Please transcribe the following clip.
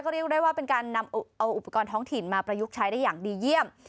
เรียกได้ว่าเป็นการนำเอาอุปกรณ์ท้องถิ่นมาประยุกต์ใช้ได้อย่างดีเยี่ยม